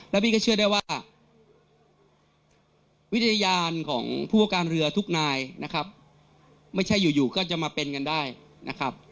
แล้วพี่ก็เชื่อได้ว่าวิทยาลของผู้ประการเรือทุกนายนะครับไม่ใช่อยู่ก็จะมาเป็นกันได้นะครับ